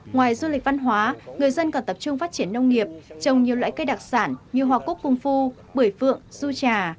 ngoài du lịch văn hóa người dân còn tập trung phát triển nông nghiệp trồng nhiều loại cây đặc sản như hoa cúc cung phu bưởi phượng du trà